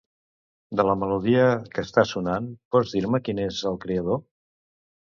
De la melodia que està sonant pots dir-me qui n'és el creador?